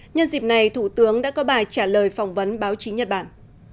nhân dịp này thủ tướng đã có bài trả lời phỏng vấn báo chí nhật bản